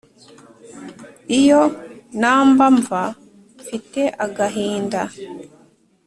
iyo numbersmva mfite agahinda